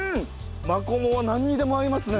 マコモはなんにでも合いますね。